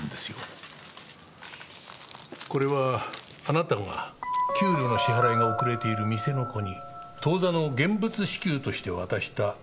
これはあなたが給料の支払いが遅れている店の子に当座の現物支給として渡したジュエリーですよね。